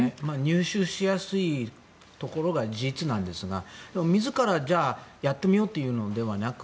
入手しやすいところが事実なんですがでも、自らやってみようというのではなく